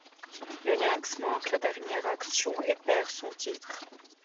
Le Lynx manque la dernière action et perd son titre.